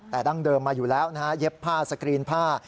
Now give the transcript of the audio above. แต่ดั้งเดิมมาอยู่แล้วนะฮะเย็บผ้าสกรีนผ้า